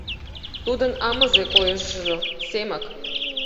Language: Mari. — Тудын амызе койышыжо — Семык.